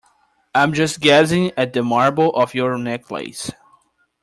I'm just gazing at the marble of your necklace.